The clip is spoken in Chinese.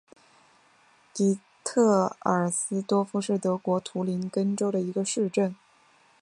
迪特尔斯多夫是德国图林根州的一个市镇。